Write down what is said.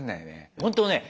本当ね